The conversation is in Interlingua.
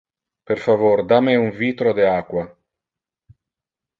Per favor da me un vitro de aqua.